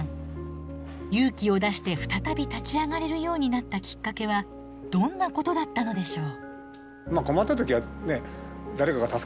勇気を出して再び立ち上がれるようになったきっかけはどんなことだったのでしょう？